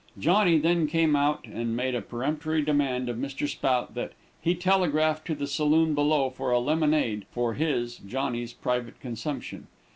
Johnny then came out, and made a peremptory demand of Mr. Spout that he telegraph to the saloon below for a lemonade for his (Johnny's) private consumption.